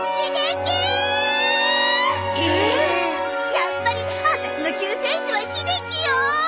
やっぱり私の救世主は秀樹よー！